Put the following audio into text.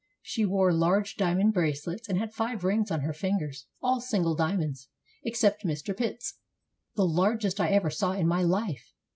She wore large diamond bracelets, and had five rings on her fin gers, all single diamonds, (except Mr. Pitt's) the largest I ever saw in my life.